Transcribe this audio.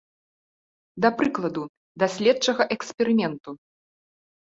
Да прыкладу, для следчага эксперыменту.